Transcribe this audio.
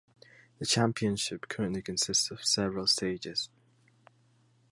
The Championship currently consists of several stages.